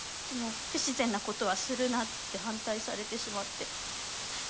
でも「不自然なことはするな」って反対されてしまって。